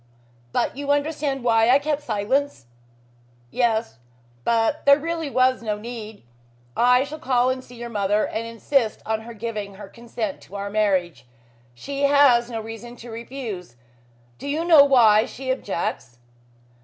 But you understand why I kept silence?" "Yes. But there was really no need. I shall call and see your mother and insist on her giving her consent to our marriage. She has no reason to refuse. Do you know why she objects?"